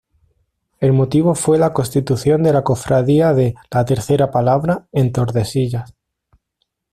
El motivo fue la constitución de la Cofradía de "La Tercera Palabra" en Tordesillas.